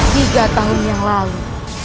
tiga tahun yang lalu